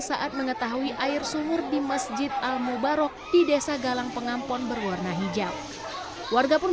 saat mengetahui air sumur di masjid al mubarok di desa galang pengampon berwarna hijau warga pun